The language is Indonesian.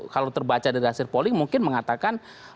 kalau terbaca dari hasil polling mungkin mengatakan